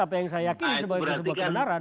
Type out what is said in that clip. apa yang saya yakin sebagai kesepakatan benaran